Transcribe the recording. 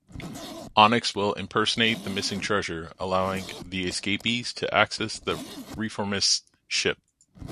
Onyx will impersonate the missing treasure, allowing the escapees to access the Reformist ship.